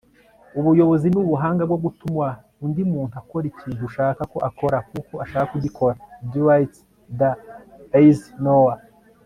ubuyobozi ni ubuhanga bwo gutuma undi muntu akora ikintu ushaka ko akora kuko ashaka kugikora. - dwight d. eisenhower